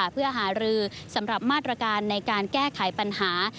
เพื่อหารือสำหรับมาตรการในการแก้ไขปัญหา